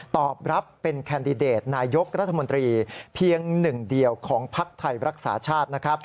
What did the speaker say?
ตอบรับเป็นแคนดิเดตนายกรัฐมนตรีเพียงหนึ่งเดียวของภักดิ์ไทยรักษาชาตินะครับ